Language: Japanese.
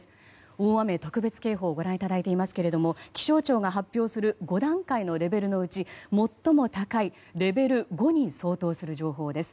大雨特別警報ご覧いただいていますけれども気象庁が発表する５段階のレベルのうち最も高いレベル５に相当する情報です。